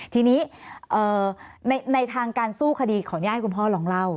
ทีนี้ในทางการสู้คดีขออนุญาตให้คุณพ่อลองเล่า